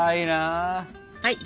はい！